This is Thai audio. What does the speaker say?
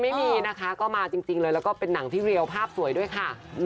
ไม่มีนะคะก็มาจริงเลยแล้วก็เป็นหนังที่เรียวภาพสวยด้วยค่ะ